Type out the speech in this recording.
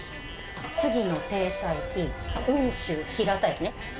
次の停車駅雲州平田駅ね。